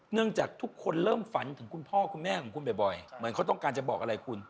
จากทุกคนเริ่มฝันถึงคุณพ่อคุณแม่ของคุณบ่อยเหมือนเขาต้องการจะบอกอะไรคุณ